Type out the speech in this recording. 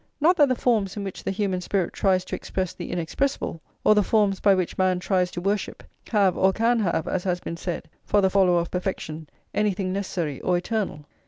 Not that the forms in which the human spirit tries to express the inexpressible, or the forms by which man tries to [xlv] worship, have or can have, as has been said, for the follower of perfection, anything necessary or eternal.